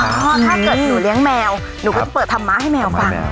เพราะถ้าเกิดหนูเลี้ยงแมวหนูก็จะเปิดธรรมะให้แมวฟัง